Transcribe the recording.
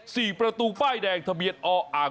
สี่ประตูป้ายแดงทะเบียนออ่าง